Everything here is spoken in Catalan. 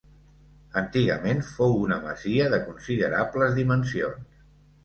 Antigament fou una masia de considerables dimensions.